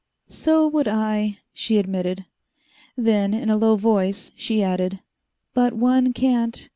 "So would I," she admitted. Then, in a low voice, she added, "But one can't.